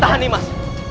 tahan nih mas